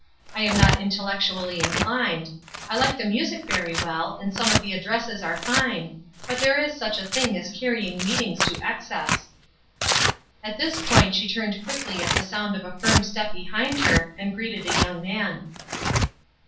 I am not intellectually inclined, I like the music very well, and some of the addresses are fine; but there is such a thing as carrying meetings to excess." At this point she turned quickly at the sound of a firm step behind her, and greeted a young man.